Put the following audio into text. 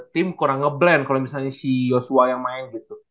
tim kurang nge blend kalau misalnya si joshua yang main gitu